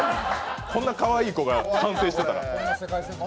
こんなかわいい子がやってたら。